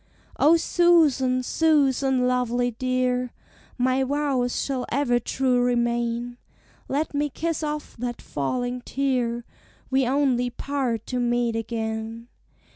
"O Susan, Susan, lovely dear, My vows shall ever true remain; Let me kiss off that falling tear; We only part to meet again.